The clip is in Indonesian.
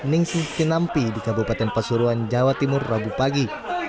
ning si tinampi di kabupaten pasuruan jawa timur rabu pagi